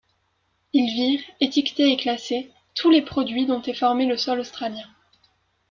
Ils virent, étiquetés et classés, tous les produits dont est formé le sol australien.